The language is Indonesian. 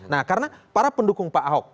nah karena para pendukung pak ahok